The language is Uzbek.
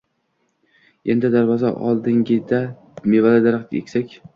Endi, darvoza oldiga-da mevali daraxt eksak.